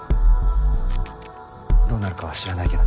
どうなるかは知らないけどね。